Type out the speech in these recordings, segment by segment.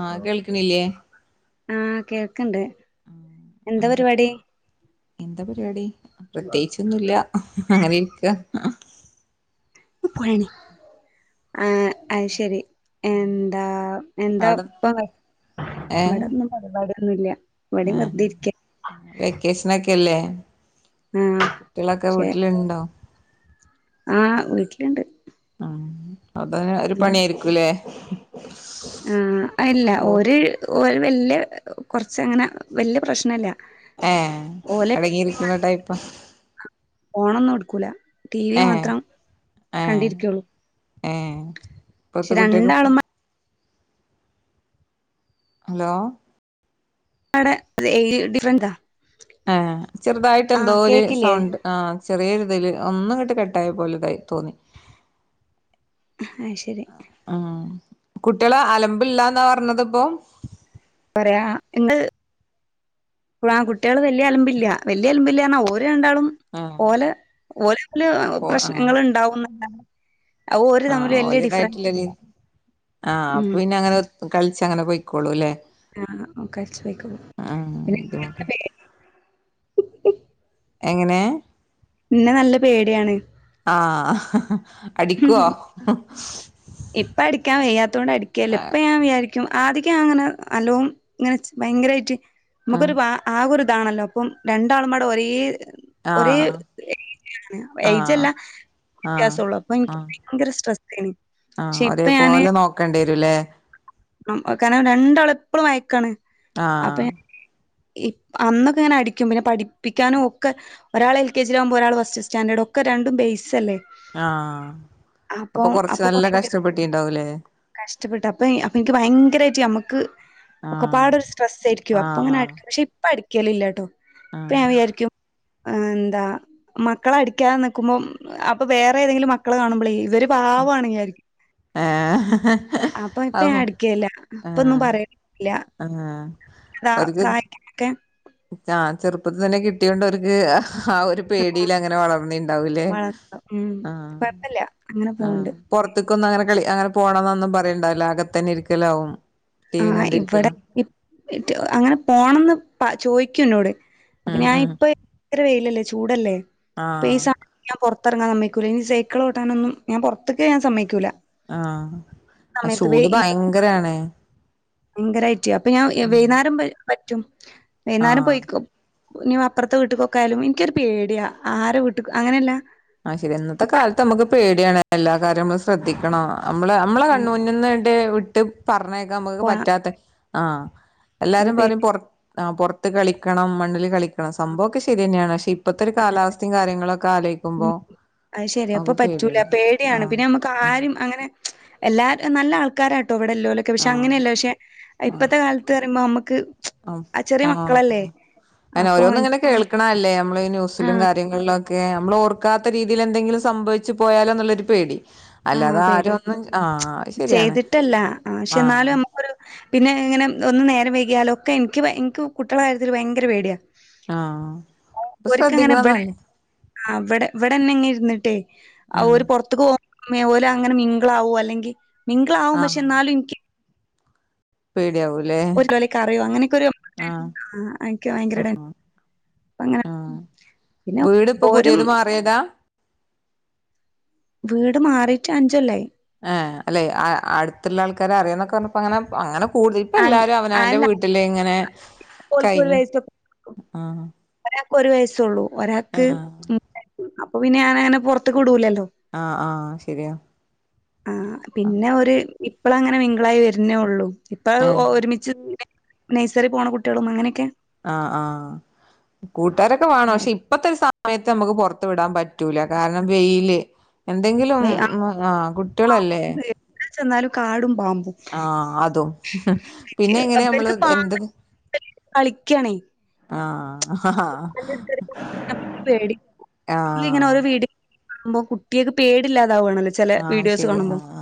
ആഹ കേൾക്കണില്ലേ ആഹ കേ ണ്ട് എന്താ പരിപാടി എന്താ പരിപാടി പ്രത്യേകിച്ചൊന്നുമില്ല അങ്ങനെ ഇരിക്കുവാ ഒന്ന് പോയേണി ആഹ അയ്ശരി എന്താ എന്താ അവിടെ ഇപ്പാ ഏഹ് ഇവിടൊന്നും പരിപാടി അന്നില്ല മടി വർദിരിക്ക കേല്ലെ കുട്ടികളൊക്കെ പക്ഷെ വീട്ടിലുണ്ടോ ആഹ് വീട്ടിലുണ്ട് അ അതെ ഒരു പണിയ ആായിരിക്കുംല്ലേ ആ അല്ല ഓ ഒരു ഓ വല്ിയ കുറച്ച അങ്ങനെ വല്ിയ പ്രശ്നല്ല അഹ്.... അടങ്ങിയിരിക്കുന്ന ടൈപ്പാ... പോണോന്നും എടുകൂല ടി വി ഏഹ് മാത്രം ഏഹ് കണ്ടിരിക്കുള്ളു ഏഹ് പക്ഷെ ഇപ്പത്തെ കുട്ടികൾക്ക് ഫോ രണ്ടാളും ഹലോ ഡേയിലി ഡിഫറൻറ ആഹ ചെറുതായിട്ട് എന്തോ ഒരു കേക്കില്ലേ സൗണ്ട് ആ ചെറിയൊരിതിൽ ഒന്നും കിട്ട് കെട്ടായ പോലെ ഇതായി തോന്നി അത് ശരി ആഹ കുട്ടികളെ അലമ്പില്ലാന്നാ പറഞ്ഞത് ഇപ്പൊ പറയാ എങ്ങള് കുട്ടികള് വലിയ അലമ്പില്ല വല്ിയ അലുമബ ഇില്ല ഓ ണ്ടും ആഹ് ഓലെ ഓലല പ്രശ്നങ്ങൾ ഉണ്ടാവുന്ന ആ ല് തായിട്ടുല്ല് ഇല്ല ആഹ അപ്പൊ ഉം പിന്നെ അങ്ങനെ കളിച്ച അങ്ങനെ പോയിക്കോളൂ ല്ലെ ആഹ് കഴിച്ചു പോയ്ക്കോളും ആ ഇതട്ട [unintelligible] ഉ [unintelligible] എങ്ങനെ ന്നെ നല്ല പേടിയാണ് ആആഹ് അടിക്കുവോ ഇപ്പ അടിക്കാൻവയ്യാത്തതത് കൊണ്ട് അടിക്കുകല്ല ആഹ് ഇപ്പൊ ഞാൻ വിചാരിക്ക ും ആദ്യക്ക അങ്ങനെ അലോവും ഇങ്ങനെ ഭയങ്കരമായിട്ട് നമുക്കൊരുവാ ഒരു ഇതാണല്ലോ അപ്പം രണ്ടാളുംമാടെ ഒരേ ഒരേ ആഹ് ആഹ് ആഹ് ഏജല്ല വ്യത്യാസള്ളു അപ്പൊ എനിക്ക് ഭയങ്കര സ്ട്രെസ്സ ആ ഒരേപോലെ നോക്ക ണ്ടിരുലേ ആ കാരണം രണ്ടാള് എപ്പളും വയക്കാണ് ആഹ് അപ്പെ ഇപ് അന്നൊക്കെ ഇങ്ങനെ അടിക്കും പിന്നെ പഠിപ്പിക്കാനും ഒക്കെ ഒരാള് എൽ കെ ജി ആകുമ്പോൾ ഒരാൾ ഫസ്റ്റ് സ്റ്റാൻഡേർഡ് ഒക്കെ രണ്ടും ബേസ് അല്ലേ ആ അപ്പൊ കൊറച്ച് നല്ല കഷ്ടപ്പെട്ടിണ്ടാവുല്ലേ കഷ്ടപ്പെട്ട് അപ്പെ അപ്പെ എനിക്ക് ഭയങ്കരായിട്ട് ഞമ്മക്ക് ഒക്കൊ ആഹ് പാടൊരു സ്ട്രെസായിരിക്കും അപ്പ അങ്ങനെ ആഹ് അടിക്കും പക്ഷെ ഇപ്പ അടി ക്കലില്ലാട്ടോ ഇപ്പ ഞാൻ ആഹ് വിചാരിക്കും ആ എന്താ മക്കള അടിക്കാതെ നിക്കുമ്പം അപ്പൊ വേറെ ഏതെങ്കിലും മക്കള് കാണുമ്പോളേ ഇവര് പാവാണ് വിചാരിക്കും ഏഹ് അപ്പൊ ഇപ്പെ അഹ് ഞാനടിക്കേല്ല ഇപ്പൊന്നും ആഹ് പറയേ ല്ല ആഹ് സ സായിക്കൊക്കെ ആ ചെറുപ്പത്തി തന്നെ കിട്ടിയൊണ്ട് ഓര്ക്ക് ആ ആ ഒരു പേടില് അങ്ങനെ വളർന്നീണ്ടാവൂല്ലേ വളർന്നു ഉം ആ കൊഴപ്പല്ല അങ്ങനെ ആ പോവ്ണ്ട് പുറത്തക്കൊന്നങ്ങനെ ളി അങ്ങനെ പോകണംന്നൊന്നും പറയണ്ടാവില്ല അകത്തന്നെ ഇരിക്കലാവും ടിവിയും ആഹ് ഇവടെ കണ്ടിരിക്കലും ഇ അങ്ങനെ പോണംന്ന് പ ചോയ്ക്കുന്നോട് അപ്പൊ ഉം ഞാൻ ഉം ഇപ്പൊ ത്ര വെയിലല്ലേ ചൂടല്ലേ ആഹ് ഇപീസമയ ഞാൻ പൊറ് റത്തിറങ്ങാൻ സമ്മയിക്കൂല ഇനി സൈക്കിൾോട്ടാനൊന്നും ഞാൻ പുറത്തേക്ക് ഞാൻ സമ്മക്കൂല്ല ആ ആ ചൂട് ഈ ഭയങ്കരാണ് ഭയങ്കരായിട്ട് അപ്പൊ ഞാൻ ഉം വെയ്ന്നേരം വരു റ്റും വൈന്നാരം ആഹ് പോയിക്കും നാ അപ്പുറത്തെ വീട്ടുപോക്കായാലും എനിക്കൊരു പേടിയാ ആരെ വീട്ടക് അങ്ങനെയല്ല ആ ശരിയ ഇന്നത്തെ കാലത്ത് നമ്മുക്ക് പേടിയാണ് എല്ലാ കാര്യും നമ്മള് ശ്രദ്ധിക്കണോം നമ്മള് നമ്മളെ ഉം കണ്ണ് മുന്നിന്ന്‌ ടെവ് ട്ട് പറഞ്ഞേ നമുക്ക് പോവാൻ പറ്റാത്ത ആ ഒരു എല്ലാരും പേടി പറയും പുറത് ആ പൊറത്ത് കളിക്കണം മണ്ണിൽ കളി സംഭം ഒക്കെ ശരിയന്നെയാണ് ക്ഷെ ഇപ്പത്തെ ഒരു കാലാവസ്ഥയും കാര്യങ്ങളൊക്ക്‌ കാലം ഉം അയ്ശരിയാ അപ്പ പറ്റൂല പേടിയാണ് ആഹ് പിന്നെ നമ്മുക്ക് ഉം ആരും അങ്ങനെ ച് എല്ലാര് നല്ല ആൾക്കാരാ ട്ടൊവിടെല്ലോലൊ ക്കെ പക്ഷെ ആഹ് അങ്ങനെയല്ല പക്ഷെ ഇപ്പത്തെ കാലത്ത് പറയുമ്പോ നമക്ക് ക്ക്‌ ആ ആ അനെ അപ്പൊ ഓരോന്നും ഇങ്ങനെ കേൾക്കണ അല്ലേ നമ്മൾ ന്യൂസിലും ആഹ് കാര്യങ്ങളിലും ഒക്കെ ക്കെ നമ്മൾ ഓർക്കാത്ത രീതിയിൽ എന്തെങ്കിലും സംഭവിച്ചു പോയാലോ എന്നുള്ളൊരു പേടി ആഹ് അല്ലാതെ ആര് പേടിയാ. ഒന്നും ആ ശരിയാണ് ചെയ്തിട്ടല്ല. ആഹ് പക്ഷെ ആ എന്നാലും നമുക്കൊരു പിന്നെ ഇങ്ങനെ ഒന്ന് നേരം വൈകിയാലൊക്കെ ൻക്ക് ഭയ ൻക്ക് കുട്ടികള കാര്യത്തിൽ ഭയങ്കര പേടിയാണ് ആഹ് അപ്പൊ ഒരിക്കങ്ങനെ ശ്രദ്ധിക്കണ ഇവിടെ നല്ല ആ ഇവ്ടെ ഇവിടെന്നെ ഇങ്ങെ ഇര്ന്ന്‌ [unintelligible] ഉം ഓര് പുറത്തക്ക് പോ മേവോല അങ്ങനെ മിങ്കളാവോ അല്ലെങ്കിൽ മിങ്കളാവും പക്ഷെ ആഹ് എന്നാലുംനിക്ക്‌ പേടിയാവൂലേ ഒരു കളി കറിയോ അങ്ങനെയൊക്കെ ഒരു ആഹ് ആ എനിക്ക് ഭയങ്കര ഇട അങ്ങനെ ആഹ് പിന്നെ വീട് ഇപ്പൊ ഓരും പുതിയത് മാറിയതാ വീട് മാറിയിട്ട് അഞ്ചല്ലോയി. ആ അല്ലെ അടുത്തുള്ള ആൾക്കാരെ അറിയാന്നൊക്കെ പറഞ്ഞപ്പോ അങ്ങനെ അങ്ങനെ കൂടുതൽ ഇപ്പ അങ്ങ എല്ലാരും അവന വന്റെ അല്ല വീട്ടില് ഇങ്ങനെ ഓൽക്ക് ഒരു കൈയിഞ്ഞ് വയസ്സ് ഒരാൾക്ക് ആ ഒരു വയസ്സേള്ളൂ ഒരാൾക്ക് ഉം അപ്പ പിന്നെ ഞാൻ അങ്ങനെ പൊർത്ത്ക്ക് വുടുലല്ലോ ആ ആ ശരിയാ ആ പിന്നെ ഒര് ഇപ്പളാ അങ്ങനെ മിങ്ക്ളായി വെര്ന്നെ ഒള്ളു ഇപ്പ അയ് ഏഹ് ഒര്മിച്ച് നെ നെഴ്സെറി പോണ കുട്ടെളും അങ്ങനെ ഒക്കെ ആ ആ കൂട്ടാരോക്കെ വാണം പക്ഷെ ആയത്. ഇപ്പത്തെ ഒര് സമയെത്ത് നമ്മക്ക് പൊർത്ത് വിടാൻ പ പറ്റൂലാ കാരണം വെയില് എന്തെങ്കിലും ഉം ആ കുട്ടെൾ അല്ലെ ച്ച് എന്നാലും കാടും പാമ്പും ആ അതും എനിക്ക് പിന്നെ എങ്ങനെ നമ്മൾ ഇവർക്ക് പാമ്പ് എന്ത് കളിക്കാണേ ആ [unintelligible] പേടി നമ്മൾ ഇങ്ങനെ ഓരോ ആഹ് വീട് അവുമ്പോ കുട്ടിയെക്ക് പേടില്ല ആ ശരിയാ ആ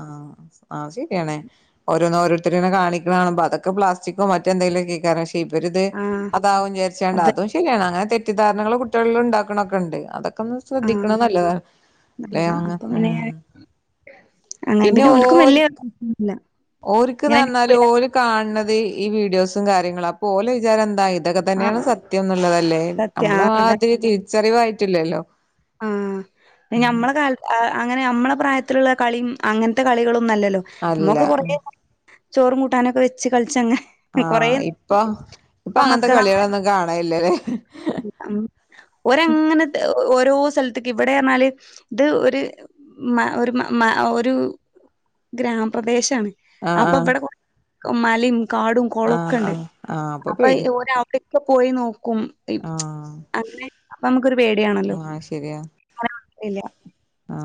ആ അയ് ശരിയാണ് ഓരോന്ന് ഓരോ ത്തെര് ഇങ്ങനെ കാണിക്ക്ണെ കാണുമ്പം അതൊക്കെ പ്ലാസ്റ്റിക്കോ മറ്റെന്തെങ്കിലും ഒക്കെ എയ്ക്കാരം പ ഇവരിത് ആഹ് അതാവുചാര്ച്ചാണ്ട് അതെ അതും ശര്യാണ് അങ്ങനെ തെറ്റിദ്ധാരണകള് കുട്ട്യേളില് ഉണ്ടാക്ണൊക്കെണ്ട് അതൊക്കെ ക്കൊന്ന് ശ്രദ്ധിക്കണ ആഹ് നല്ലത നല്ലതാ അപ്പൊ പിന്നെ [unintelligible] അങ്ങനെ പിന്നെ ഓൽക്കും വല്ല്യ ല്ല ഓര്ക്ക്ന്നർഞ്ഞാല് ഓര് കാണ് ണതേ ഈ വീഡിയോസും കാര്യങ്ങളും അപ്പോലെ വിചാരം എന്തായ് ഇതൊക്കെ ആഹ് തന്നെയാണ് സത്യം ന്നുള്ളതല്ലേ സത്യ നമ്മളെ ആഹ് മാതിരി തിരിച്ചറിവായിട്ടില്ലല്ലോ ആ ഞമ്മള കാല അങ്ങനെ നമ്മളെ പ്രായത്തിലുള്ള കളീം അങ്ങൻത്തെ കളികളു ല്ലല്ലോ അല്ല മക്ക് കൊറേ ഉം ചോറും കൂട്ടാനൊക്കെ വെച്ച് കളിച്ചങ്ങ് ആഹ ഇപ്പം ഇപ്പൊ അങ്ങൻത്തെ മക്കള് അങ്ങനെ കളികളൊന്നും കാണലില്ലല്ലേ ഓരങ്ങനെ ഓരോ സെൽത്ക്ക് ഇവിടെർഞ്ഞാല് ഇത് ഒരു ഒരു ഗ്രാമപ്രദേശാണ് ആഹ് അപ്പൊ ആഹ് വടെ മലിം കാടും ആഹ് കൊളൊക്കണ്ട് ആഹ് ആഹ് അപ്പൊ പേടി ഒരാവിടെ പ്പൊ പോയി നോ ക്കും ആഹ് അങ്ങനെ അപ്പമ്മക്കൊരു പേട്യാണല്ലോ ആഹ് [unintelligible] ഇല്യ ആ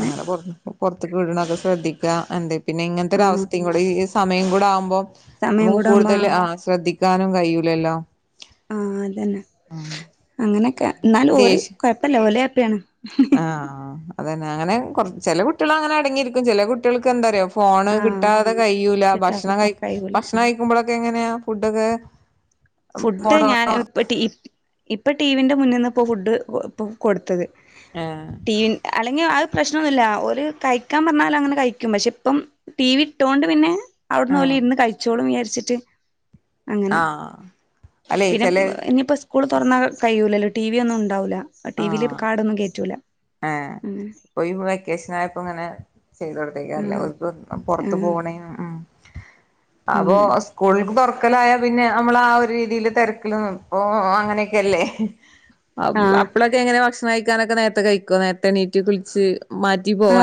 അങ്ങനെ കൊട് [unintelligible] പൊർത്ത്ക്ക് വിട്ണാെക്കെ ശ്രദ്ധിക്കാ എന്തെ പിന്നെ ഇങ്ങൻത്തെ ആഹ് ഒരവസ്തിം കൂടെ ഈ ഇസ് സമയം കൂടെ ആകുമ്പം സമയം നമുക്ക് കൂടാവുമ്പോ കൂടുതല് ആഹ് ആ ശ്രദ്ധി ക്കാനും കയ്യൂലല്ലോ ആ അതന്നെ അങ്ങനെക്കെ ന്നാല് ഓല് കൊയപ്പല്ല ഓലെ പ്പ്യാണ് ആ ആ അതെന്നെ അങ്ങനെ കൊർ ചെലെ കുട്ട്യേളങ്ങനെ അടങ്ങിയിരിക്കും ചെലെ കുട്ട്യെൾക്കെന്തറ്യോ ഫോണ് ആഹ് കിട്ടാതെ കയ്യൂല കിട്ടാത്ത ഭക്ഷണം കയ് കഴിയൂല ഭക്ഷണം കയ്ക്കുമ്പഴ ക്കെങ്ങനെയാ ഫുഡൊക്കെ ഫുഡ് ഫോണ് ഞാൻ ഇപ്പടീ ഇപ്പ ടിവിന്റെ മുന്ന്ന് ഇപ്പോ ഫുഡ് ഇപ്പ കൊട്ത്തത് ഏഹ് ടിവ അല്ലെങ്കി അഹ് പ്രശ്നോന്നുല്ല ഓല് കഴിക്കാൻ പറഞ്ഞാല് അങ്ങനെ കഴിക്കും പക്ഷെ ഇപ്പം ടി വി ഇട്ടോണ്ട് പിന്നെ അവിട്ന്ന് ഓല് ആഹ് ഇര്ന്ന് കഴിച്ചോളും വിചാ [unintelligible] ആ പിന്നെ ഇനിപ്പം സ് സ്കൂള് തുറന്നാ കയ്യൂലല്ലോ ടിവി ഒന്നും ഉണ്ടാവൂല ആ ടി വിൽ കാർഡൊന്നും കേറ്റൂല ഏ അങ്ങനെ പോയി വെക്കേഷനോക്കെ ആയപ്പോങ്ങനെ ആഹ് [unintelligible] പോർത്ത് ആഹ് പോക്ണേനും ഉം അപ്പൊ അങ്ങനെ സ്കൂൾക്ക് [unintelligible] ക്കലായ പിന്നെ അമ്മള് ആ ഒരു രീതീല് തെരക്കല് നിപ്പോ അങ്ങനെക്കെല്ലേ ആ ഭക്ഷണം കഴിക്കാനൊക്കെ നേരത്തെ കഴിക്കോ നേരത്തെ എണീറ്റ് കുൾച്ച് ആ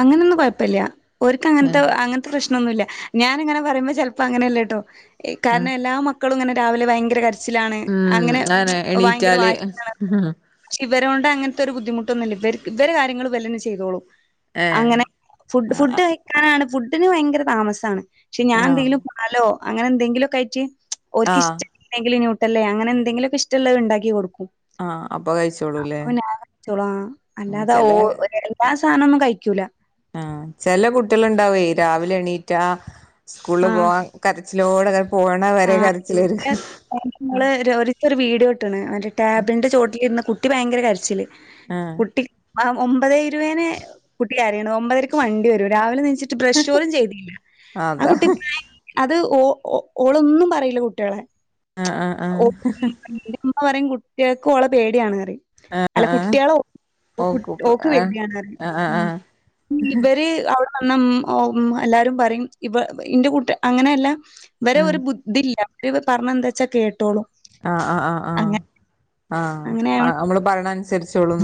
അങ്ങനെന്നും കൊഴപ്പല്ല ഓര്ക്ക് അങ്ങൻത്ത അങ്ങൻത്ത പ്രശ്നോന്നുല്ല ഞാനിങ്ങനെ പറയുമ്പോ ചെലപ്പോ അങ്ങനെയല്ലട്ടോ എ ഉം കാരണം എല്ലാ മ ക്കളും ഇങ്ങനെ രാവില ഭയങ്കര കര ച്ചിലാണ് ഉം അങ്ങനെ വയങ്കര എണീറ്റാല് വാശിയാണ് ഇവരോണ്ട് അങ്ങനത്തെ ഒരു ബുദ്ധിമുട്ടന്നുല്ലാ ഇവരുക്ക് വ ഇവര കാര്യങ്ങള് വല്ലനേ ചെയ്തോളും ഏ അങ്ങനെ ആ ഫുഡ്‌ഫുഡ് കഴക്കാനാണ് ഫുഡ് [unintelligible] ട്ടിന് ഭയങ്കര താമസാണ് പക്ഷെ ആഹ് ഞാനെന്തെങ്കിലും പറഞ്ഞാല്ലോ അങ്ങനെ എന്തെങ്കിലുക്കൊആയിറ്റ് ഓർക്ക് ആഹ് ഇഷ്ടമില്ലെങ്കിൽ [unintelligible] ഇട്ട അല്ല അങ്ങനെ എന്തങ്കിലൊക്കെ ഇഷ്ട്ടമുള്ളത് ഇണ്ടാക്കി കൊടുക്കും ആഹ് അപ്പൊ കഴിച്ചോളൂല്ലേ [unintelligible] അല്ലാതെ ചെല ഓ ഒരു എ [unintelligible] ആ സാധനം ഒന്നും കഴിക്കൂല ആ ചെല കുട്ടികളുണ്ടാവേ രാവിലെ എണീറ്റാ സ്കൂള് പോവാൻ കര സ്ലോട് ആ നമ്മ [unintelligible] ഒരു വീഡിയോ ഇട്ടണ് മറ്റെ ടാബിന്റെ ചോട്ടിലിരുന്ന് കു ട്ടി ഭയങ്കര കരച്ചില് ആ ആ ഒമ്പതേ ഇരുപതിന് കുട്ടി കയറിണ് ഒമ്പതരയ്ക്ക് വണ്ടി വരും രാവിലെ എണീ ച്ചിട്ട് ബ്രഷ് പോലും ചെയ്തില്ല ആ അതാ കുട്ടി അത് ഓ ഓ ഓളൊന്നും പറിയില്ല കുട്ടിളെ ആ ആ [unintelligible] ഉമ്മ പറയും കുട്ടികൾക്ക് ഒളെ പേടിയാണ് ആ ആ അല്ല ആ കുട്ടികള ഓക്കൂപ്പ് ആ [unintelligible] ആ ഇവര് എല്ലാരും പറയും ഇവ ഇന്റെ കൂട്ട അങ്ങനെയല്ല വറെ ഉം ഒരു ബുതില്ല ഇവ പറഞ്ഞ എന്താച്ചാ കേട്ടോളൂ ആഹ ആഹ് ആഹ് ആഹ് ആഹ് അങ്ങനെയായോണ്ട് നമ്മള് പറ അനുസരിച്ചോളൂ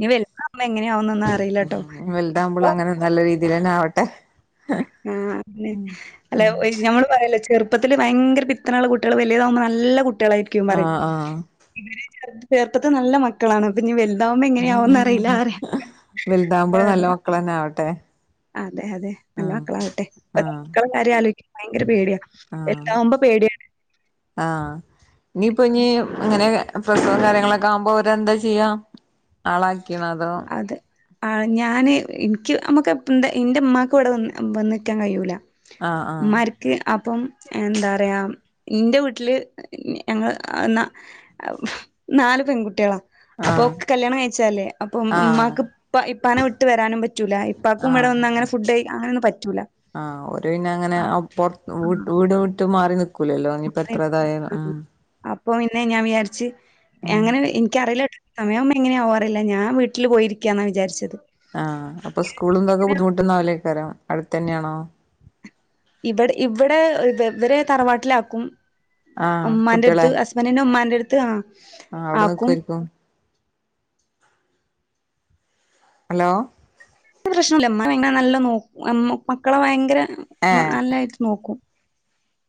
ഇനി വലുതാവുമ്പോ എങ്ങനെയാവുന്നൊന്നും അറിയില്ലട്ടോ. വലുതാവുമ്പോളും അങ്ങനെ നല്ല രീതി അതിലന ആവട്ടെ ആഹ അന്നേ അല്ലെ ഞമ്മള് പറയാലോ ചെർ ഇപ്പത്തില് ഭയങ്കര പിത്തനുള്ള കുട്ടികൾ വൽതാമ്പോൾ നല്ലട്ട ട്ടളായിരിക്കും ആ ആ ചേർപ്പത് നല്ല മക്കളാണ് ഞ്ഞി വൽത ഉ അതാ വലുതാപോളും നല്ല പറഞ്ഞെ. മക്കളേ ന്നെ ആവട്ടെ അതെ അതെ ആ നല്ല മക്കളാവട്ടെ ഇപ്പൊ ആ മക്കളേ കാര്യം ആലോയ് കുമ്പോനൽ ഭയങ്കര പേടിയാ വലതാകുമ്പോ പേടിയാണ് ആഹ് ഇനിയിപ്പോൾ ഇനി ഇങ്ങനെ പ്രസവും കാര്യങ്ങളൊക്കെ ആകുമ്പോ അവരെന്താ ചെയ്യാ ആളകിയതാ അതോ ആ ഞാന് എനിക്ക് നമ്മുക്ക് എന്താ എന്റെ ഇമ്മാക്ക് ഇവിടെ വന്ന് വന്ന്ക്കാൻ കഴിയൂ ആ ആ മ്മാര്ക്ക് അപ്പം എന്താറയാ ഇന്റെ വീട്ടില് ഞങ്ങള് നാല് പെൺകുട്ടികളാ അപ്പൊ ആഹ് കല്യാണം കഴ ല്ലേ അപ്പം ആഹ് ഉമ്മാക്ക് ഇ ഇപ്പനെ വിട്ട് വരാനും പറ്റൂല ഇപ്പക്കും ഇവിടെ ആഹ് ഒന്നും അങ്ങനെ ഫുഡ് അങ്ങനെ ഒന്നും പറ്റൂല ആഹ് ഓര് പിന്നെ മാറിനിക്കു നിക്കുലല്ലോ ഇനിപ്പൊത്രതായ ആ അപ്പോപിന്നെ ഞാ വിചാരിച്ച് എങ്ങനെ എനിക്കറീല സമയവുമ്പോ എങ്ങനെയ ആവാറില്ല ഞാൻ വീട്ടില് പോയിരിക്യന്നാ വിചാരിച്ചത് ആഹ് അപ്പൊ സ്കൂളുംന്തൊക്കെ ബുദ്ധിമുട്ടും ഒന്നാവൂല്ലേ ക്കാരം അടുത്ത തന്ന്യാണോ. ഇവടെ ഇവടെ ഇവ ഇവരെ തറവാട്ടിലാക്കും. ആഹ് കുട്ടികളെ മ്മന്റെടത്തും ഹസ്ബന്റിന്റെ ഉമ്മാന്റെഡ് ത്ത് ആഹ് ആഹ്, അവ്ടെ നിക്കു ആക്കും ആയിരിക്കും. ഹലോ പ്രശ്നല്ല ഇമ്മ പിന്നെ നല്ല നോ അ മക്കളെ ഭയങ്കര ഏഹ് നല്ലായിട്ട് നോക്കും.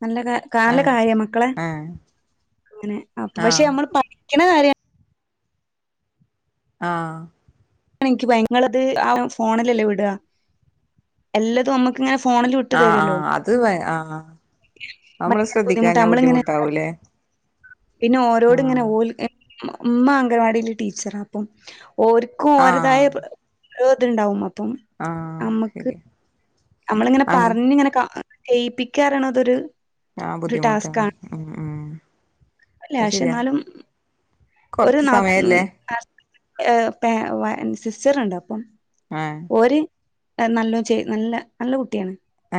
നല്ല നല്ല ആഹ് കാര്യം മക്കളെ ഏഹ് അങ്ങനെ അ പക്ഷെ ആഹ് നമ്മൾ പഠിക്കണ കാര്യ ആഹ് എനിക്ക്യങ്ങളത് ആ ഫോണല്ലല്ലേ വിട എല്ലാതും നമ്മുക്ക് ഇങ്ങനെ ഫോണിൽ വിട്ട് ആ ആ തരുല്ലോ അത് ആഹ് നമ്മള് ഭയങ്കര ബുദ്ധിമുട്ടാ ശ്രദ്ധിക്കാഞാൽ നമ്മളിങ്ങനെ ബുദ്ധിമുട്ടാവൂലേ പിന്നെ ഓരോട് ഇങ്ങനെ ആഹ് ഓൽ ഉമ്മ അംഗൻവാടിൽ ടീച്ചറാപ്പം ഓര്ക്കും ഓരതായ ആഹ് ഏത്ണ്ടാവും മപ്പ ഉം ആഹ് നമ്മുക്ക് ശരി നമ്മളിങ്ങനെ അങ്ങനെ പറഞ്ഞ ഇങ്ങനെ ജയിപ്പിക്കാറോ അതൊരു ആഹ ബുദ്ധിമുട്ടാണ് ഉ ഉം അല്ലേ അത് പക്ഷെ ശരിയാ എന്നാലും ഒരു കൊറച്ച് നാത്തു സമയല്ലേ [unintelligible] അച്ചറണ്ട് അപ്പം ആ ഓര് നല്ലോ ചെയ്യ് നല്ല നല്ല കുട്ട്യാണ് ഏ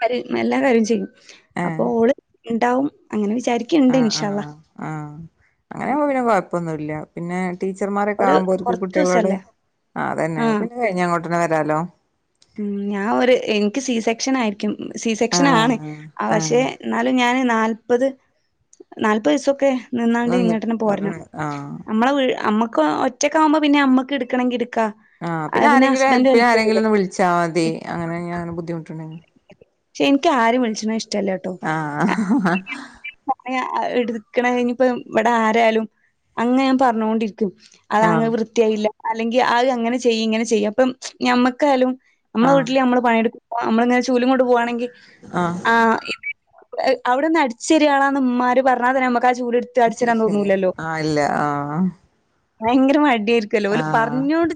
കാര് ന്നെല്ലാ കാര്യം ചെയ്യും അപ്പൊ ഓള് ണ്ടാവും അങ്ങനെ ചാരിക്ക്‌ണ്ട് ഇൻഷാ അള്ള അങ്ങനെ പിന്നെ കൊയപ്പൊന്നുല്ല പിന്നെ ഒരു ടീച്ചർമാരൊക്കാമ്പോ ഓര്ക്ക്‌ കൊറച്ച് കുട്ട്യാളോട് ദിവസല്ലേ ആ തന്നെ അത് ആഹ് പിന്നെ കയ്ഞ്ഞങ്ങോ [unintelligible] വെരാലോ ഉം ഞാൻ ഒരു ഇൻക്ക് സി സെക്ഷനായിക്കും സി ആ സെക്ഷനാണ് ആ പക്ഷെ ന്നാലും ഞാന് നാല്പത് നാല്പത് ദിസൊക്കെ നിന്നാണ്ട് വന്നിട്ട് ഇങ്ങട്ടന്നെ പോരണം ഉടനെ ആ നമ്മളെ വീ നമ്മ ക്ക ഒറ്റക്കാകുമ്പോ പിന്നെമ്മക്ക് ഇട് ആ പിന്നെ ആരെങ്കിലും ഹെൽപ്പിനാരേങ്കിലും ഒന്ന് വിള് ചാതി അങ്ങനെ ഞാൻ ബുദ്ധിമുട്ട് ണ് പക്ഷെ ഇൻകാരിം വിൾച്ച്ണത് ഷ് ആഹ് ഹാ [unintelligible] ഇട്ക്കണ ഇഞ്ഞിപ്പം വടെ ആരായാലും അങ്ങനെ ഞാൻ പറഞ്ഞോണ്ടിരി ക്കും അതാ ങ്ങ് ആ വൃത്തിയായില്ല. അല്ലെങ്കി അത് അങ്ങനെ ചെയ്യ് ഇങ്ങനെ ചെയ്യ് അപ്പം ഞമ്മക്കായാലും നമ്മള ആ വീട്ടില് നമ്മള് പണിയെടു [unintelligible] നമ്മള്ങ്ങനെ ചൂലും കൊണ്ട് പോവാണങ്കി ആ ആഹ് അവിടെന്ന് അട് ച്ചരിയാളാന്ന് ഇമ്മാര് പർഞ്ഞാ തന്നെ മ്മ ശരി ശരിയാ ആഹ് ഇല്ല ആഹ് ഭയങ്കര മ ടിയേര്ക്കല്ലോ ഓല് പർഞ്ഞോണ്ട്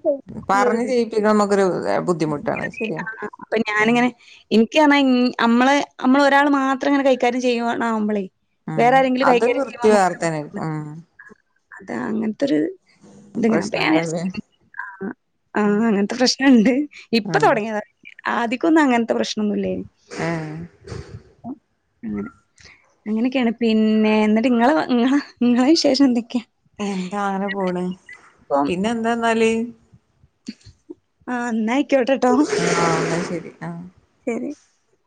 [unintelligible] പറഞ്ഞ് ഒരിത് ചെയ്യിപ്പിക്കണ നമുക്കൊരു ബുദ്ധിമുട്ടാണ് ശരിയാ ആഹ് ആഹ് അപ്പം ആഹ് ഞാന്ങ്ങനെ ഇ ക്ക്യർഞ്ഞാ നമ്മള് നമ്മള ഒരാൾ മാത്രം ഇങ്ങനെ കൈകാര്യം ചെയ്യുവാ ണാവുമ്പളേ അ അത് വൃത്തി വേറെത്തന്നെണ് അ അതാ അങ്ങൻ ത്തൊര് ഇത് ങ്ങനെ അപ്പം ഞാൻ പ്രശ്നണ്ടല്ലേ വിചാര്ച്ച് ആഹ് ആഹ് അങ്ങൻത്തെ പ്രശ്നണ്ട് ഇപ്പൊ ആഹ് തുടങ്ങിയതാ. ആദിക്കൊന്ന് അങ്ങൻത്ത പ്രശ് ഒന്നുല്ലേനി ഏഹ് അങ്ങനെയൊക്കെയാണ് പിന്നെ ഇന്നിട്ട് ഇങ്ങളെ ഇങ്ങളെ ഇങ്ങളെ വിശേഷം എന്തൊക്കെയാ? എന്താ അങ്ങനെ പോണ് പിന്നെ എന്താെന്നാല് ആന്നായി ക്കോട്ടെട്ടോ ആഹ് എന്നാ ആഹ് [unintelligible]